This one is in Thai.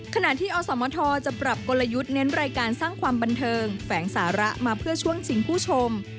ขณะที่อสมทจะปรับกลยุทธ์เน้นรายการสร้างความบันเทิงแฝงสาระมาเพื่อช่วงชิงผู้ชม